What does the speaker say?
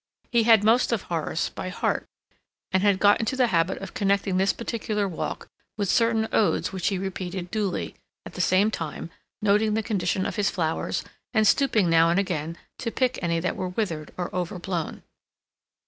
He had most of Horace by heart, and had got into the habit of connecting this particular walk with certain odes which he repeated duly, at the same time noting the condition of his flowers, and stooping now and again to pick any that were withered or overblown.